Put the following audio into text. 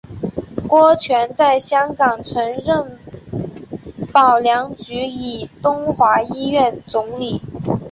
郭泉在香港曾任保良局及东华医院总理。